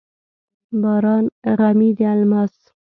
باران غمي د الماس،